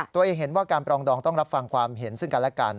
ตัวเองเห็นว่าการปรองดองต้องรับฟังความเห็นซึ่งกันและกัน